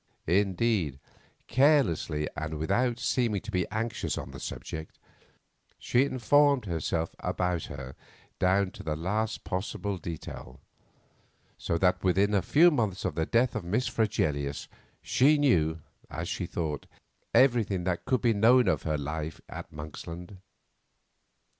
Indeed, carelessly and without seeming to be anxious on the subject, she informed herself about her down to the last possible detail; so that within a few months of the death of Miss Fregelius she knew, as she thought, everything that could be known of her life at Monksland.